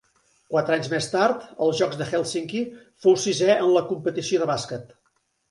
Quatre anys més tard, als Jocs de Hèlsinki, fou sisè en la competició de bàsquet.